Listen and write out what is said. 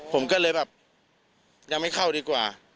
ผมก็เลยแบบยังไม่เข้าดีกว่า